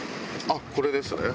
あっこれですね。